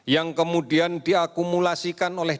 yang kemudian diakumulasikan oleh